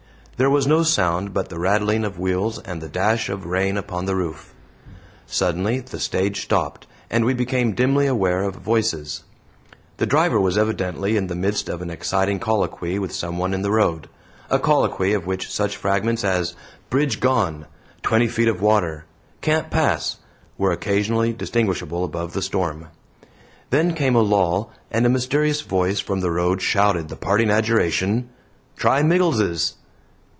There was no sound but the rattling of wheels and the dash of rain upon the roof. Suddenly the stage stopped and we became dimly aware of voices. The driver was evidently in the midst of an exciting colloquy with someone in the road a colloquy of which such fragments as "bridge gone," "twenty feet of water," "can't pass," were occasionally distinguishable above the storm. Then came a lull, and a mysterious voice from the road shouted the parting adjuration: "Try Miggles's."